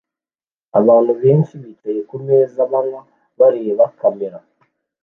Abantu benshi bicaye kumeza banywa bareba kamera